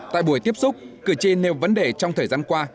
tại buổi tiếp xúc cử tri nêu vấn đề trong thời gian qua